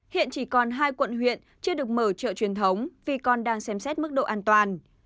hiện chỉ còn hai quận huyện chưa được mở chợ truyền thống vì còn đang xem xét mức độ an toàn